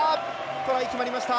トライ決まりました。